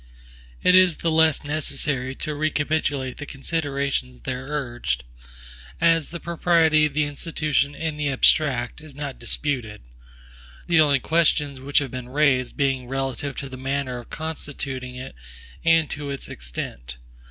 It is the less necessary to recapitulate the considerations there urged, as the propriety of the institution in the abstract is not disputed; the only questions which have been raised being relative to the manner of constituting it, and to its extent.